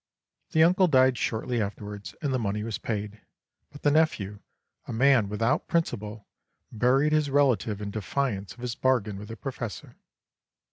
The uncle died shortly afterwards, and the money was paid, but the nephew, a man without principle, buried his relative in defiance of his bargain with the Professor.